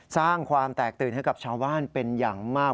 สร้างความแตกตื่นให้กับชาวบ้านเป็นอย่างมาก